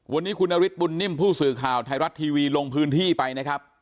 วันนี้คุณนฤทธบุญนิ่มผู้สื่อข่าวไทยรัฐทีวีลงพื้นที่ไปนะครับ